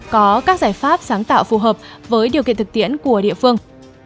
có các giải pháp sáng tạo phù hợp với điều kiện thực tiễn của địa phương